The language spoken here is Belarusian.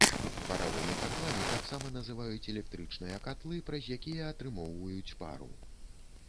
Паравымі катламі таксама называюць электрычныя катлы, праз якія атрымоўваюць пару.